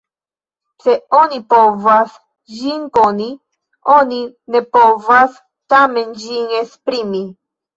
Se oni povas ĝin koni, oni ne povas tamen ĝin esprimi.